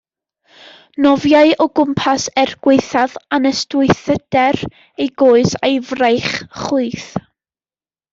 Nofiai o gwmpas er gwaethaf anystwythder ei goes a'i fraich chwith.